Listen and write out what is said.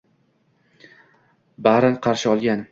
Barin qarshi olgan –